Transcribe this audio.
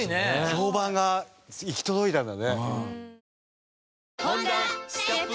評判が行き届いたんだね。